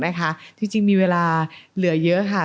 นะคะที่จึงมีเวลาเหลือเยอะค่ะ